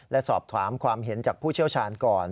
และสอบถามความเห็นจากผู้เชี่ยวชาญก่อน